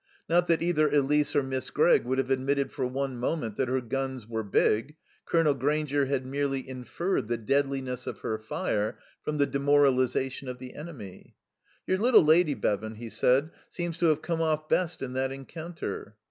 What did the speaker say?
Not that either Elise or Miss Gregg would have admitted for one moment that her guns were big; Colonel Grainger had merely inferred the deadliness of her fire from the demoralization of the enemy. "Your little lady, Bevan," he said, "seems to have come off best in that encounter."